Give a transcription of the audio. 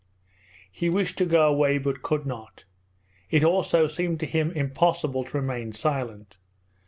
He wished to go away but could not. It also seemed to him impossible to remain silent.